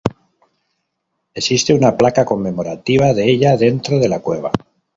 Existe una placa conmemorativa de ella dentro de la cueva.